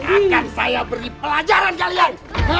akan saya beri pelajaran kalian